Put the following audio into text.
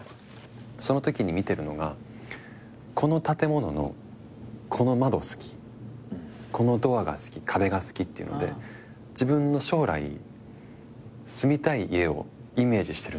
そのときに見てるのがこの建物のこの窓好きこのドアが好き壁が好きっていうので自分の将来住みたい家をイメージしてるんですよ。